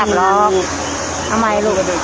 ช่วงด้วย